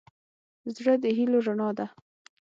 زړه د هيلو رڼا ده.